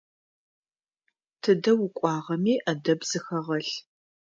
Тыдэ укӀуагъэми Ӏэдэб зыхэгъэлъ.